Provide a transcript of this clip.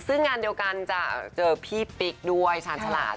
ซึ่งงานเดียวกันจะเจอพี่ปิ๊กด้วยชาญฉลาด